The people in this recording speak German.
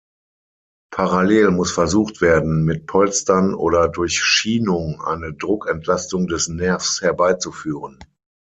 Parallel muss versucht werden, mit Polstern oder durch Schienung eine Druckentlastung des Nervs herbeizuführen.